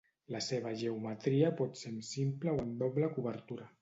La seva geometria pot ser amb simple o amb doble curvatura.